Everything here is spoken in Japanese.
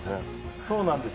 そうなんです